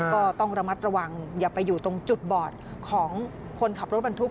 ก็ต้องระมัดระวังอย่าไปอยู่ตรงจุดบอดของคนขับรถบรรทุก